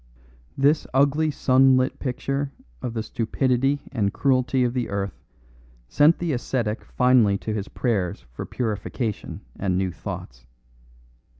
This ugly sunlit picture of the stupidity and cruelty of the earth sent the ascetic finally to his prayers for purification and new thoughts.